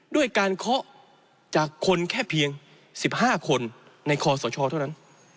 ด้วยการข็อจากคนแค่เพียงสิบห้าคนในคอสชเท่านั้น